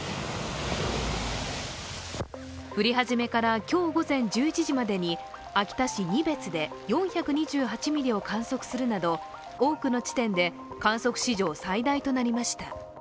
降り始めから今日午前１１時までに秋田市仁別で４２８ミリを観測するなど多くの地点で観測史上最大となりました。